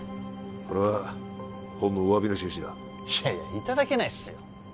これはほんのお詫びの印だいやいやいただけないっすよ